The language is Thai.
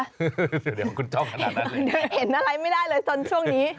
เดี๋ยวเดี๋ยวคุณช่องขนาดนั้นเลยเห็นอะไรไม่ได้เลยสนช่วงนี้